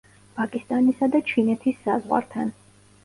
პაკისტანისა და ჩინეთის საზღვართან.